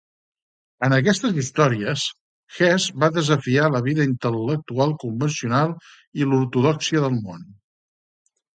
En aquestes històries, Hesse va desafiar la vida intel·lectual convencional i l'ortodòxia del món.